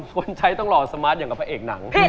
คนใช้ต้องรอสมาร์ทอย่างกับพระเอกหนัง